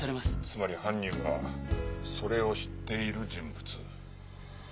つまり犯人はそれを知っている人物。